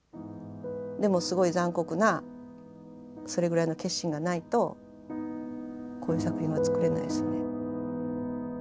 でもすごい残酷なそれぐらいの決心がないとこういう作品は作れないですよね。